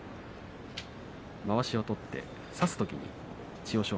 まわしを取って差すときに千代翔